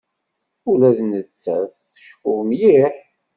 Ula d nettat tceffu mliḥ.